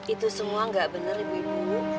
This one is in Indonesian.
itu semua nggak bener ya bu ibu